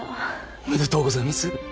おめでとうございます！